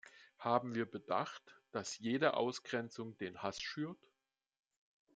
Haben wir bedacht, dass jede Ausgrenzung den Hass schürt?